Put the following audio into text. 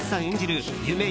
演じる夢